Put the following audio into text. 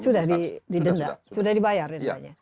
sudah didenda sudah dibayar dendanya